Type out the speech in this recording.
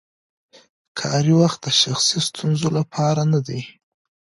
کاري وخت د شخصي ستونزو لپاره نه دی.